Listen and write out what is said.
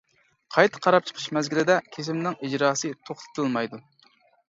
قايتا قاراپ چىقىش مەزگىلىدە كېسىمنىڭ ئىجراسى توختىتىلمايدۇ.